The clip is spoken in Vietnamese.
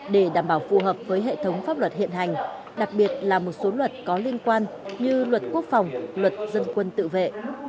để đảm bảo phù hợp với hệ thống pháp luật hiện hành đặc biệt là một số luật có liên quan như luật quốc phòng luật dân quân tự vệ